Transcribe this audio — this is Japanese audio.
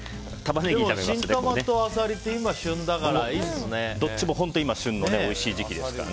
新タマとアサリって今、旬だからどっちも本当に今が旬のおいしい時期ですから。